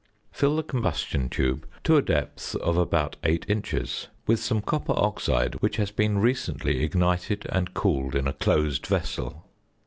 Fill the combustion tube to a depth of about eight inches with some copper oxide, which has been recently ignited and cooled in a close vessel.